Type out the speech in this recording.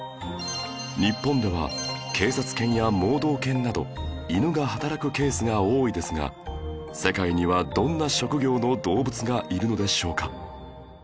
日本では警察犬や盲導犬など犬がはたらくケースが多いですが世界にはどんな職業の動物がいるのでしょうか？